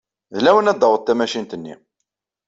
D lawan ad d-taweḍ tmacint-nni.